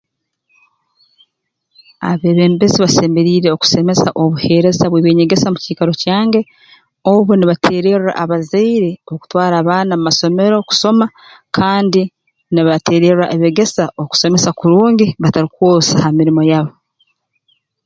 Abeebembezi basemeriire okusemeza obuheereza obw'eby'enyegesa mu kiikaro kyange obu nibateererra abazaire okutwara abaana mu masomero kusoma kandi nibateererra abeegesa okusomesa kurungi batarukwosa ha mirimo yabo